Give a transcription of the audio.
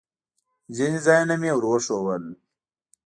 ځینې ځایونه مې ور وښوول.